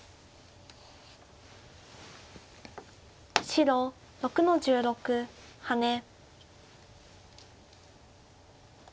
白６の十六ハネ。